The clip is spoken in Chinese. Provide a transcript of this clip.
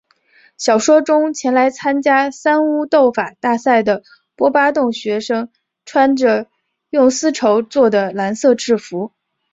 小说中前来参加三巫斗法大赛的波巴洞学生穿着用丝绸作的蓝色制服。